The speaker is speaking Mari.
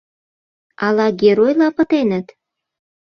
— Ала геройла пытеныт?